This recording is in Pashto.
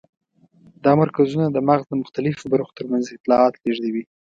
دا مرکزونه د مغز د مختلفو برخو تر منځ اطلاعات لېږدوي.